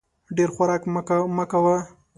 ډېر خوراک مه کوه !